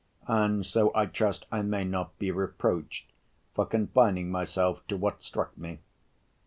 And so I trust I may not be reproached, for confining myself to what struck me.